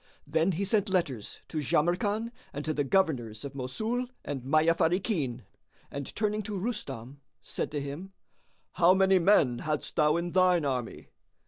Then he sent letters to Jamrkan and to the governors of Mosul and Mayyáfáríkín; and, turning to Rustam, said to him, "How many men hadst thou in thine army?"